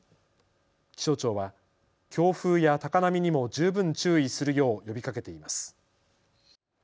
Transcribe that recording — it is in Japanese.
気象庁は強風や高波にも十分注意するよう呼びかけています。